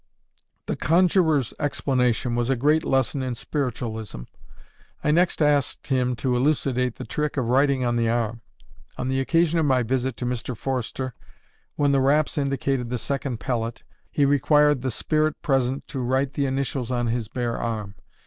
_ The conjurer's explanation was a great lesson in "spiritualism." I next asked him to elucidate the trick of writing on the arm. On the occasion of my visit to Mr. Forster, when the raps indicated the second pellet, he required the "spirit" present to write the initials on his bare arm.